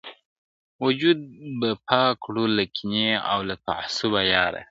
• وجود به پاک کړو له کینې او له تعصبه یاره,